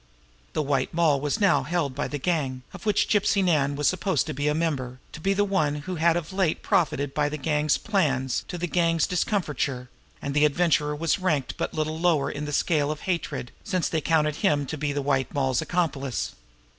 The White Moll was now held by the gang, of which Gypsy Nan was supposed to be a member, to be the one who had of late profited by the gang's plans to the gang's discomfiture; and the Adventurer was ranked but little lower in the scale of hatred, since they counted him to be the White Moll's accomplice.